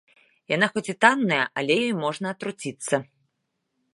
Яна хоць і танная, але ёй можна атруціцца.